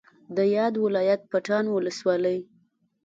د یاد ولایت پټان ولسوالۍ